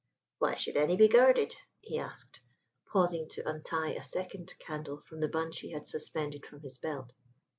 "Why should any be guarded?" he asked, pausing to untie a second candle from the bunch he had suspended from his belt.